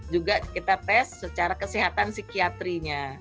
juga kita tes secara kesehatan psikiatrinya